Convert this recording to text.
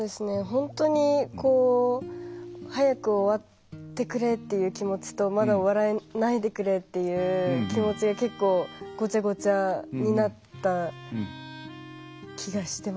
本当にこう早く終わってくれっていう気持ちとまだ終わらないでくれっていう気持ちが結構ごちゃごちゃになった気がしてましたね。